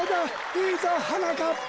いいぞはなかっぱ！